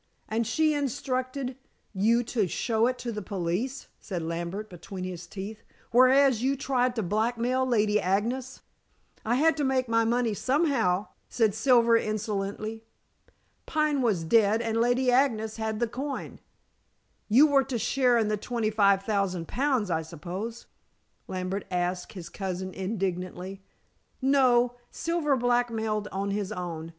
"And she instructed you to show it to the police," said Lambert between his teeth, "whereas you tried to blackmail Lady Agnes." "I had to make my money somehow," said Silver insolently. "Pine was dead and Lady Agnes had the coin." "You were to share in the twenty five thousand pounds, I suppose?" Lambert asked his cousin indignantly. "No; Silver blackmailed on his own.